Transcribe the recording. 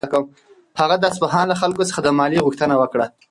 هغه د اصفهان له خلکو څخه د مالیې غوښتنه وکړه.